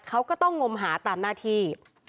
เขาก็ต้องงมหาตามหน้าที่